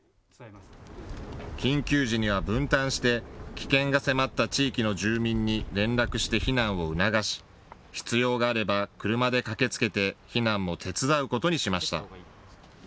緊急時には分担して危険が迫った地域の住民に連絡して避難を促し必要があれば車で駆けつけて避難も手伝うことにしました。